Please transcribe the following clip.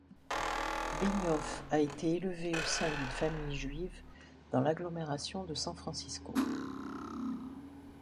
Benioff a été élevé au sein d'une famille juive dans l'agglomération de San Francisco.